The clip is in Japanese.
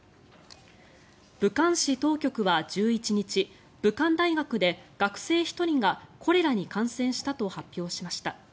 武漢市当局は１１日武漢大学で学生１人がコレラに感染したと発表しました。